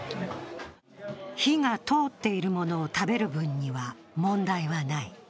火が通っているものを食べる分には問題はない。